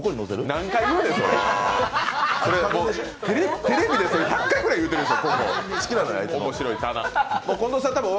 何回言うねん、テレビで１００回ぐらい言うてるでしょ。